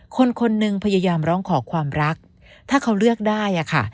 คนคนหนึ่งพยายามร้องขอความรักถ้าเขาเลือกได้อะค่ะ